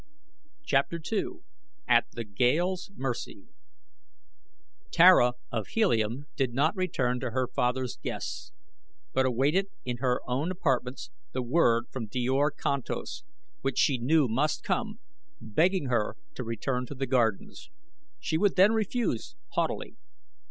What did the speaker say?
CHAPTER II AT THE GALE'S MERCY Tara of Helium did not return to her father's guests, but awaited in her own apartments the word from Djor Kantos which she knew must come, begging her to return to the gardens. She would then refuse, haughtily.